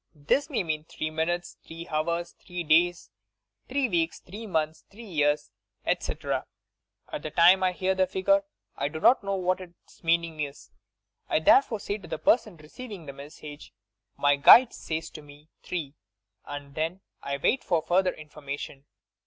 This may mean three minutes, three hours, three days, three weeks, three months, three years, etc. At the time I hear the figure I do not know what its meaning is. I therefore say to the person receiving the message: 'My guides say to me "three" ' and I then wait for further informa tion.